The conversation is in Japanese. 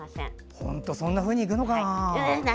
本当にそんなふうにいくのかな。